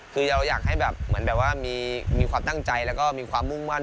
คือเราอยากให้แบบเหมือนแบบว่ามีความตั้งใจแล้วก็มีความมุ่งมั่น